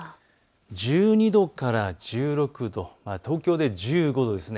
１２度から１６度、東京で１５度です。